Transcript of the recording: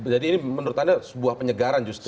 jadi ini menurut anda sebuah penyegaran justru